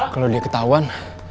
kalo dia ketahuan